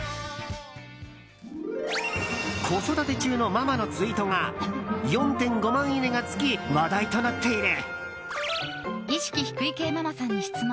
子育て中のママのツイートが４．５万いいねがつき話題となっている。